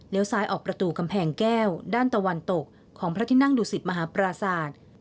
ซ้ายออกประตูกำแพงแก้วด้านตะวันตกของพระที่นั่งดุสิตมหาปราศาสตร์